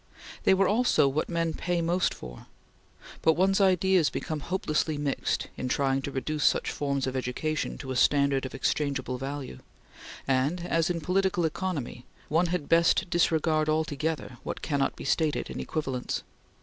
They were also what men pay most for; but one's ideas become hopelessly mixed in trying to reduce such forms of education to a standard of exchangeable value, and, as in political economy, one had best disregard altogether what cannot be stated in equivalents.